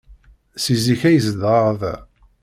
Seg zik ay zedɣeɣ da.